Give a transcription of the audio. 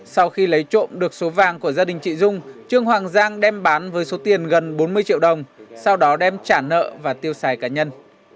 sau khi lấy trộm được số vàng của gia đình chị dung trương hoàng giang đem bán với số tiền gần bốn mươi triệu đồng sau đó đem trả nợ và tiêu xài cá nhân